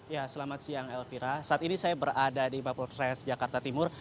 ya selamat siang elvira saat ini saya berada di mapolres jakarta timur